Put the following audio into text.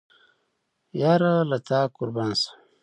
یاره له تا قربان شم